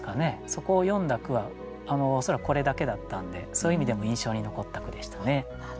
そこを詠んだ句は恐らくこれだけだったんでそういう意味でも印象に残った句でしたね。